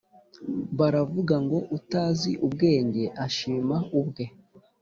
baravuga ngo “utazi ubwenge ashima ubwe”.